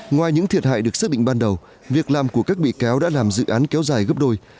ngoài những thiệt hại được xác định ban đầu việc làm của các bị cáo đã làm dự án kéo dài gấp đôi